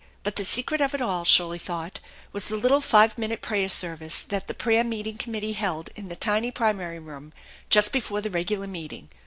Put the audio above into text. But the secret of it all, Shirley thought, was the little five minute prayer service that the prayer meeting committee held in the tiny primary room just before the regular meeting.